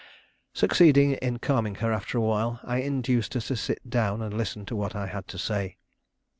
Succeeding in calming her after a while, I induced her to sit down and listen to what I had to say.